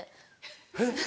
えっ？